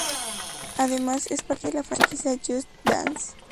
Además, es parte de la franquicia Just Dance.